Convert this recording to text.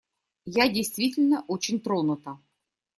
Я действительно очень тронута.